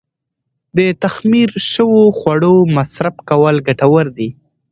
د تخمیر شوو خوړو مصرف کول ګټور دي.